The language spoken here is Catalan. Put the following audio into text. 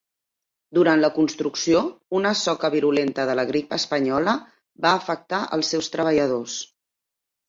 Durant la construcció, una soca virulenta de la grip espanyola va afectar els seus treballadors.